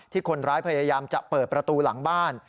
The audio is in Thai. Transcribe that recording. คนร้ายพยายามจะเปิดประตูหลังบ้าน